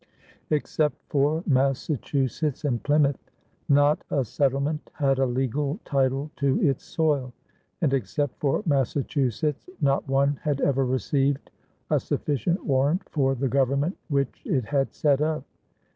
Except for Massachusetts and Plymouth, not a settlement had a legal title to its soil; and except for Massachusetts, not one had ever received a sufficient warrant for the government which it had set up.